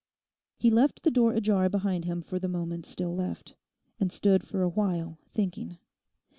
He left the door ajar behind him for the moments still left, and stood for a while thinking.